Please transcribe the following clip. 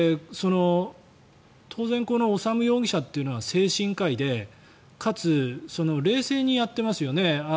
当然、この修容疑者というのは精神科医でかつ、冷静にやってますよね。